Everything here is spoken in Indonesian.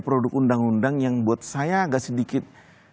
produk undang undang yang buat saya agak sedikit